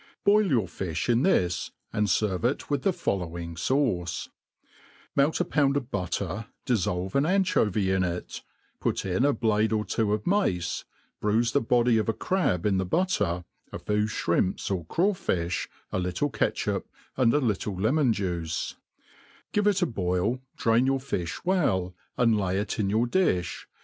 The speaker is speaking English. Boi^ your fiih in ibis, and ferve it wfth the following fauce : melt a pound of butter, diilblve an anchovy in it, put in a blade or two of mice, bruife the body of a crab in the butter, a few ihrimps or craw fiih, a little catchup, a little lemon juice ; give it a boil, drain your fiih well, and lay it in 'your diih.